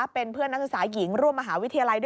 โปรดติดตามต่อไป